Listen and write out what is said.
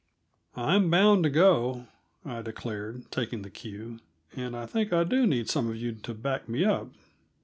"I'm bound to go," I declared, taking the cue. "And I think I do need some of you to back me up.